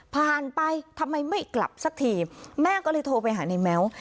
ไปทำไมไม่กลับสักทีแม่ก็เลยโทรไปหาในแม้ว